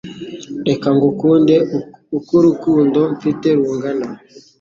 Reka ngukunde uko urukundo mfite rungana